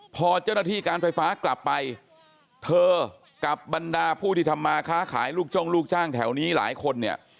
พอเจ้าหน้าที่การไฟฟ้ากลับไปเธอกับบรรดาผู้ที่ทำมาค้าขายลูกจ้องลูกจ้างแถวนี้หลายคนเนี่ย